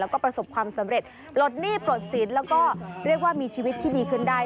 แล้วก็ประสบความสำเร็จปลดหนี้ปลดสินแล้วก็เรียกว่ามีชีวิตที่ดีขึ้นได้